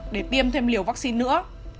để tiêm thêm liều vắc xin nữa